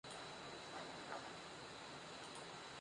Sus obras más significativas fueron realizadas en Sevilla.